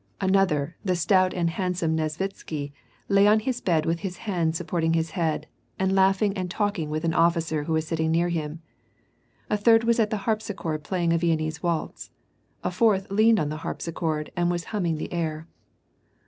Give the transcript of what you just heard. Another, the stout WAR AND PEACE. 801 handsome Kesvitsky, lay on Ms bed with his hands support ing his head, and laughing and talking with an officer who was sitting near him. A third was at the harpsichord playing a Viennese waltz \ a fourth leaned on the harpsichord and was hamming the air.